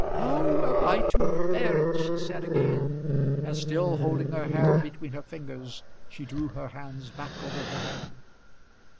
"How am I to bear it?" she said again, as still holding her hair between her fingers, she drew her hands back over her head.